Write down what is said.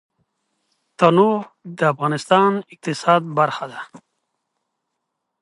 تنوع د افغانستان د اقتصاد برخه ده.